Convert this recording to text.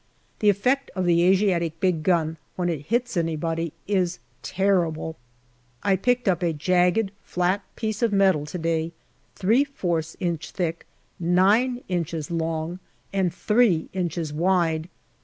The effect of the Asiatic big gun, when it hits anybody, is terrible. I picked up a jagged, flat piece of metal to day, f inch thick, 9 inches long, and 3 inches wide.